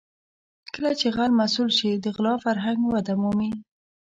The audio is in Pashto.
کله چې غل مسوول شي د غلا فرهنګ وده مومي.